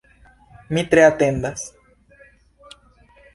Mi tre atendas.